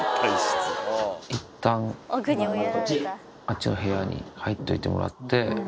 いったんあっちの部屋に入っといてもらって。